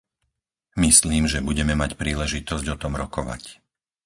Myslím, že budeme mať príležitosť o tom rokovať.